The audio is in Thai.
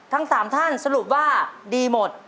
ทั้ง๓ท่านสรุปว่าดีหมด